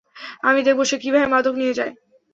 আমি দেখব সে কীভাবে মাদক নিয়ে যায়।